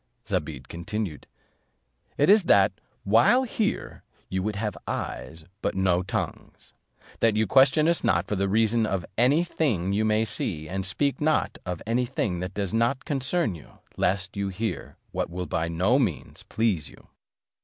Zobeide continued, "It is that, while here, you would have eyes, but no tongues; that you question us not for the reason of any thing you may see, and speak not of any thing that does not concern you, lest you hear what will by no means please you."